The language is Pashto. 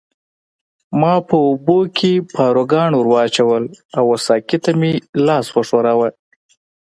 ما په اوبو کې پاروګان ورواچول او وه ساقي ته مې لاس وښوراوه.